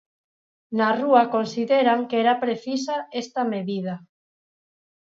Na rúa consideran que era precisa esta medida.